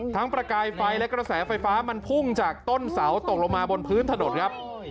ประกายไฟและกระแสไฟฟ้ามันพุ่งจากต้นเสาตกลงมาบนพื้นถนนครับ